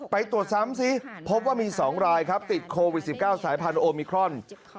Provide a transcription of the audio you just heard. ไปตรวจซ้ำซิพบว่ามี๒รายครับติดโควิด๑๙สายพันธุมิครอน